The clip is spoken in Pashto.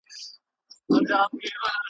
مرګ د زړو دی غم د ځوانانو!